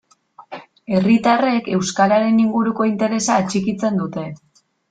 Herritarrek euskararen inguruko interesa atxikitzen dute?